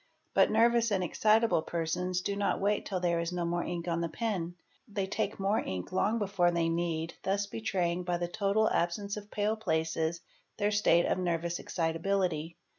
But nervous and — excitable persons do not: wait till there is no more ink on the pen: they — take more ink long before they need, thus betraying by the total absence of pale places their state of nervous excitability.